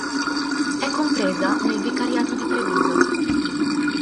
È compresa nel vicariato di Treviso.